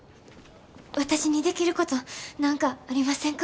私にできること何かありませんか。